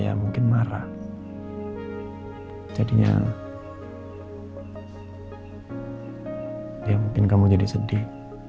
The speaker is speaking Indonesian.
aku mau jadi sedih